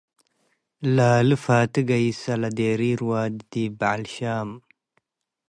ላሊ ፋቲ ገይሰ ለዴሪር ዋዲ ዲብ በዐል ሻም